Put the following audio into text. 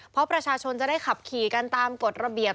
เพราะประชาชนจะได้ขับขี่กันตามกฎระเบียบ